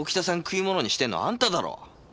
食い物にしてんのあんただろ！？